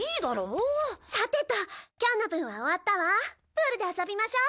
プールで遊びましょ！